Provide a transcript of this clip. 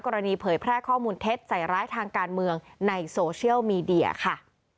เผยแพร่ข้อมูลเท็จใส่ร้ายทางการเมืองในโซเชียลมีเดียค่ะ